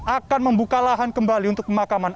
akan membuka lahan kembali untuk pemakaman